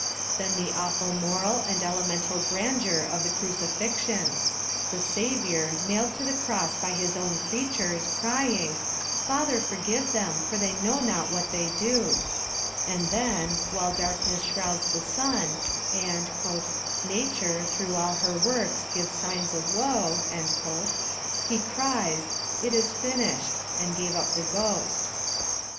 Then the awful moral and elemental o:randeur of the cruci fixion — the Savior, nailed to the cross by his own creatures, crying " PVther forgive them for they know not what they do" — and then, while dark ness shrouds tlie sun, and " nature, through all her works gives signs of woe," he cries, '* it is finished ! and gave up the ghost."